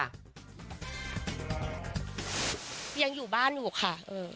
ยังอยู่บ้านอยู่ค่ะ